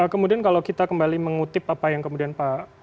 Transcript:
kemudian kalau kita kembali mengutip apa yang kemudian pak